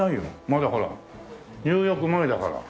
まだほら入浴前だから。